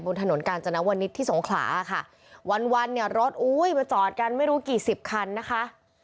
บนถนนกาญจนวนิษฐ์ที่สงขลาค่ะวันวันเนี่ยรถอุ้ยมาจอดกันไม่รู้กี่สิบคันนะคะ